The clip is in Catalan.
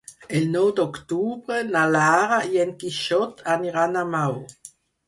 El nou d'octubre na Lara i en Quixot aniran a Maó.